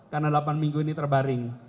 karena delapan minggu ini terbaring